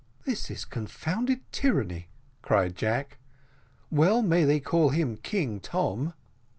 "This is confounded tyranny," cried Jack. "Well may they call him King Tom."